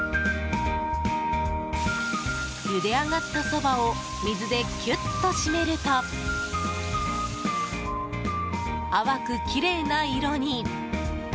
ゆで上がったそばを水でキュッと締めると淡くきれいな色に。